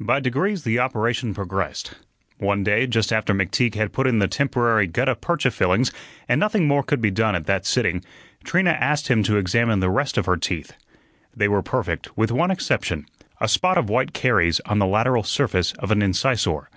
By degrees the operation progressed. One day, just after McTeague had put in the temporary gutta percha fillings and nothing more could be done at that sitting, Trina asked him to examine the rest of her teeth. They were perfect, with one exception a spot of white caries on the lateral surface of an incisor.